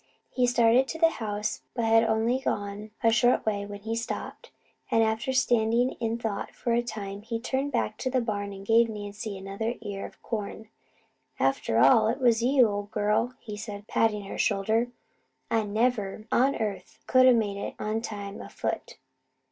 He started to the house, but had only gone a short way when he stopped, and after standing in thought for a time, turned back to the barn and gave Nancy another ear of corn. "After all, it was all you, ol' girl," he said, patting her shoulder, "I never on earth could a made it on time afoot."